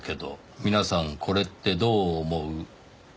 「皆さんこれってどう思う？」ですか。